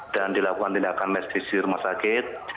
dan dilakukan tindakan mestisi rumah sakit